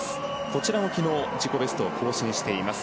こちらも昨日自己ベストを更新しています